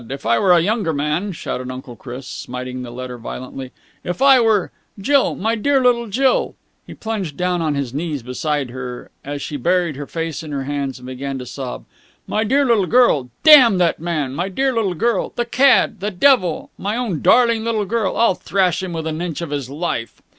If I were a younger man," shouted Uncle Chris, smiting the letter violently, "if I were.... Jill! My dear little Jill!" He plunged down on his knees beside her, as she buried her face in her hands and began to sob. "My little girl! Damn that man! My dear little girl! The cad! The devil! My own darling little girl! I'll thrash him within an inch of his life!"